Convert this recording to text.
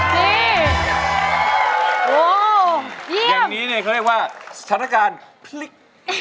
เยี่ยมอย่างนี้เนี่ยเขาเรียกว่าชะละกาลพลิก